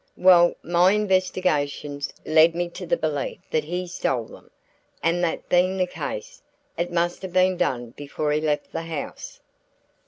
"Well, my investigations led me to the belief that he stole them, and that being the case, it must have been done before he left the house."